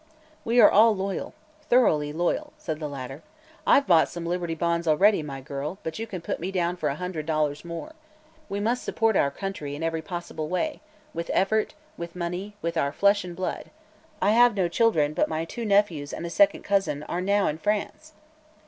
"We are all loyal thoroughly loyal," said the latter. "I've bought some Liberty Bonds already, my girl, but you can put me down for a hundred dollars more. We must support our country in every possible way, with effort, with money, with our flesh and blood. I have no children, but my two nephews and a second cousin are now in France!"